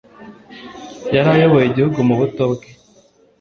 yarayoboye igihugu mu buto bwe